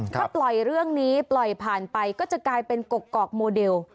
ถ้าปล่อยเรื่องนี้ปล่อยผ่านไปก็จะกลายเป็นกกอกโมเดล